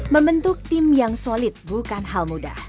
membentuk tim yang solid bukan hal mudah